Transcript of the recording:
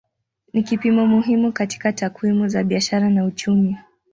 Ni kipimo muhimu katika takwimu za biashara na uchumi.